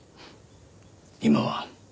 今は。